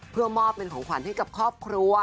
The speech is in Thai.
เพื่อมอบเป็นของขวัญให้กับครอบครัว